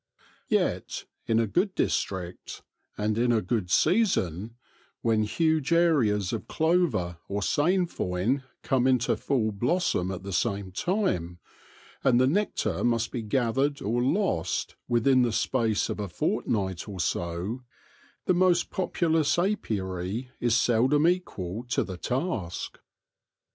Yet, in a good district and in a good season, when huge areas of clover or sainfoin come into full blossom at the same time, and the nectar must be gathered or lost within the space of a fort night or so, the most populous apiary is seldom equal to the task.